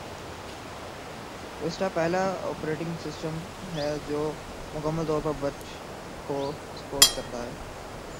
vista پہلا operating system ہے جو مکمل طور پر بٹ کو سپورٹ کرتا ہے